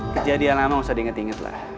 kejadian lama nggak usah diinget inget lah